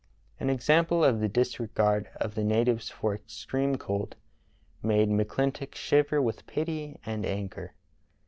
An example of the disregard of the natives for extreme cold made McClintock shiver with pity and anger.